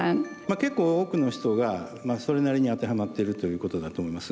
結構多くの人がそれなりに当てはまってるということだと思います。